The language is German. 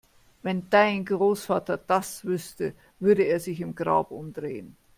Wenn dein Großvater das wüsste, würde er sich im Grab umdrehen!